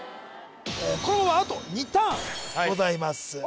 このあと２ターンございます